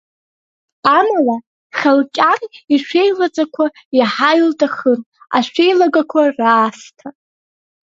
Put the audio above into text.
Амала Хылқьан ашәеилаҵақәа иаҳа илҭахын, ашәеилагәақәа раасҭа.